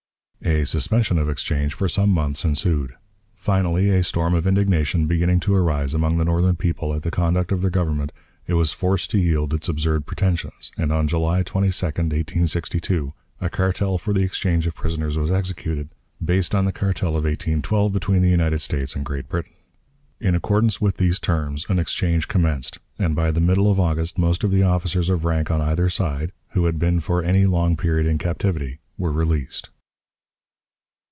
A suspension of exchange for some months ensued. Finally, a storm of indignation beginning to arise among the Northern people at the conduct of their Government, it was forced to yield its absurd pretensions, and, on July 22, 1862, a cartel for the exchange of prisoners was executed, based on the cartel of 1812 between the United States and Great Britain. In accordance with these terms an exchange commenced, and by the middle of August most of the officers of rank on either side, who had been for any long period in captivity, were released.